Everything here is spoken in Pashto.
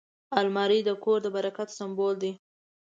الماري د کور د برکت سمبول دی